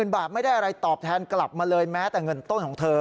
บาทไม่ได้อะไรตอบแทนกลับมาเลยแม้แต่เงินต้นของเธอ